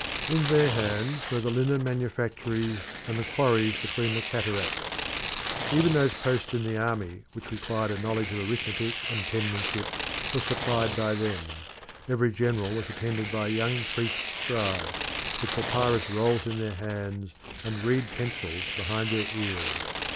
In their hands were the linen manufactories and the quarries between the Cataracts. Even those posts in the Army which required a knowledge of arithmetic and penmanship were supplied by them: every general was attended by young priest scribes, with papyrus rolls in their hands and reed pencils behind their ears.